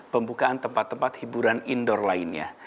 pembukaan tempat tempat hiburan indoor lainnya